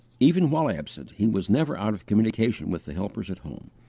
Even while absent, he was never out of communication with the helpers at home.